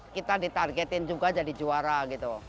kita ditargetin juga jadi juara gitu